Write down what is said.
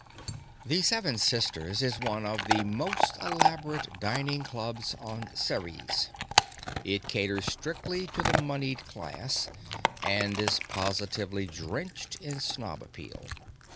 The Seven Sisters is one of the most elaborate dining clubs on Ceres. It caters strictly to the moneyed class, and is positively drenched in snob appeal.